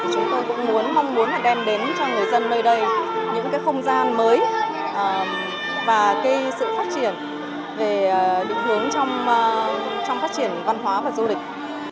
chúng tôi cũng muốn mong muốn là đem đến cho người dân nơi đây những cái không gian mới và sự phát triển về định hướng trong phát triển văn hóa và du lịch